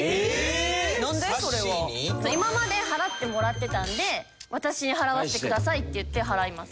今まで払ってもらってたんで「私に払わせてください」って言って払います。